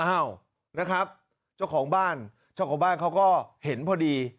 อ้าวนะครับเจ้าของบ้านเจ้าของบ้านเขาก็เห็นพอดี